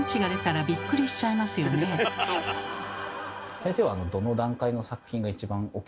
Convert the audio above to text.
先生はん